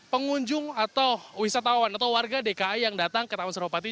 pengunjung atau wisatawan atau warga dki yang datang ke taman suraupati